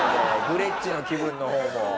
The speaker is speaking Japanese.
グレッチの気分の方も。